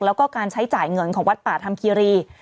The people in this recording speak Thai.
แล้วก็การใช้จ่ายเงินของวัดป่าธรรมคีรี